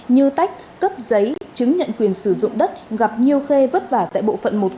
như tách cấp giấy chứng nhận quyền sử dụng đất gặp nhiều khê vất vả tại bộ phận một cửa